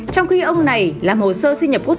trong khi ông này làm hồ sơ sinh nhập quốc tịch